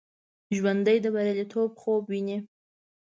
ژوندي د بریالیتوب خوب ویني